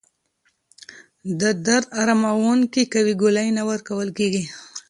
د درد اراموونکې قوي ګولۍ نه ورکول کېږي.